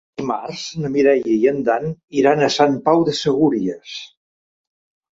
Dimarts na Mireia i en Dan iran a Sant Pau de Segúries.